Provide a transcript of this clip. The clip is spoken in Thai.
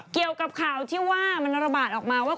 เกี่ยวกับข่าวที่ว่ามันระบาดออกมาว่า